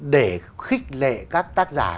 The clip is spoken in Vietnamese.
để khích lệ các tác giả